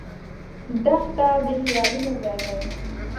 دښته د خیالونو ځای دی.